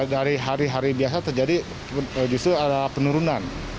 dari hari hari biasa terjadi justru ada penurunan